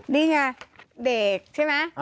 นี่ไงเด็กใช่ไหม